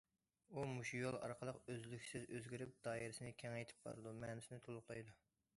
ئۇ، مۇشۇ يول ئارقىلىق ئۈزلۈكسىز ئۆزگىرىپ، دائىرىسىنى كېڭەيتىپ بارىدۇ، مەنىسىنى تولۇقلايدۇ.